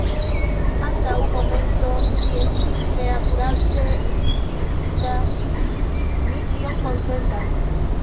Antaŭ momento vi estis tre akurate sciigita; mi tion konsentas.